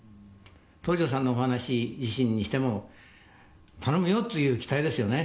東條さんのお話自身にしても頼むよという期待ですよね。